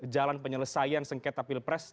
jalan penyelesaian sengketa pilpres